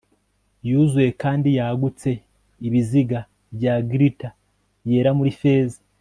yuzuye kandi yagutse Ibiziga bya glitter yera muri feza